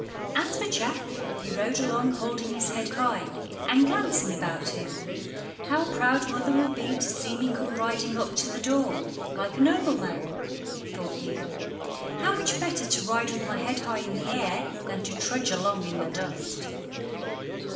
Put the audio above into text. As for Jack he rode along holding his head high and glancing about him. "How proud mother will be to see me come riding up to the door like a nobleman," thought he. "How much better to ride with my head in the air than to trudge along in the dust."